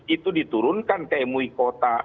itu diturunkan ke mui kota